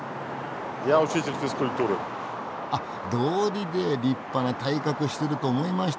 あっどうりで立派な体格してると思いました。